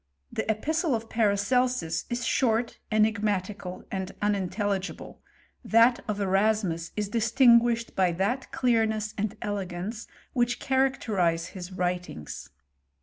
The epistle of Paracelsus i* short, enigmatical, and unintelligible ; that of Eras mus is distinguished by that clearness and el^ance which characterize his writings.